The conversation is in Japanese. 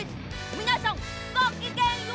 みなさんごきげんよう！